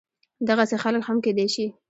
دغسې خلق هم کيدی شي